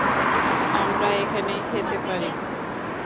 আমরা এখানেই খেতে পারি।